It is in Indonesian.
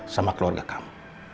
sama keluarga kamu